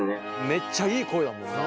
めっちゃいい声だもんな。